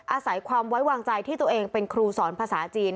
อาศัยความไว้วางใจที่ตัวเองเป็นครูสอนภาษาจีน